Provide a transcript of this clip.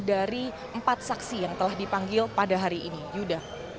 dari empat saksi yang telah dipanggil pada hari ini yuda